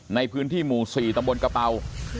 ในพื้นที่หมู่๔ตำบลกระเป๋า